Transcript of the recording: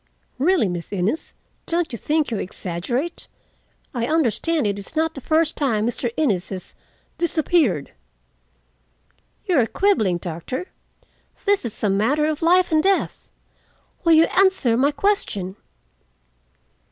"Really, Miss Innes, don't you think you exaggerate? I understand it is not the first time Mr. Innes has—disappeared." "You are quibbling, doctor. This is a matter of life and death. Will you answer my question?"